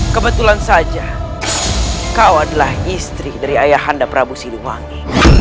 kebetulan saja kau adalah istri dari ayah handa prabu siliwangi